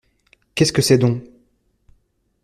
Qu'est-ce que c'est donc ?